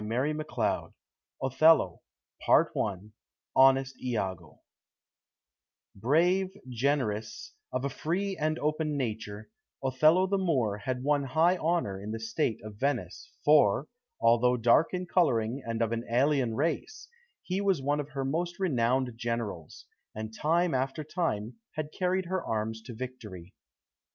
Othello "Honest Iago" Brave, generous, of a free and open nature, Othello the Moor had won high honour in the state of Venice, for, although dark in colouring and of an alien race, he was one of her most renowned generals, and time after time had carried her arms to victory.